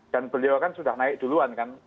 dan beliau kan sudah naik duluan kan